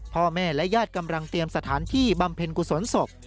พ่อแม่และญาติกำลังเตรียมสถานที่บำเพ็ญกุศลศพ